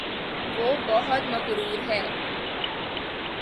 وہ بہت مغرور ہےـ